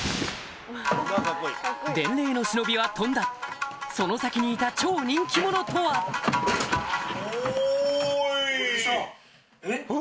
伝令の忍びは飛んだその先にいた超人気者とは？おい！